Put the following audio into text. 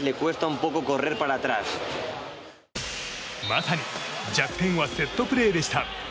まさに弱点はセットプレーでした。